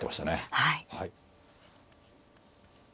はい。